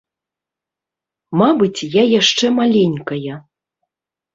Мабыць, я яшчэ маленькая.